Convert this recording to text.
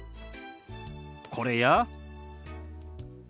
これや。